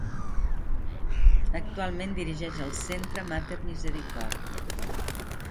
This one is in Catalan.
Actualment dirigeix el centre Mater Misericòrdia.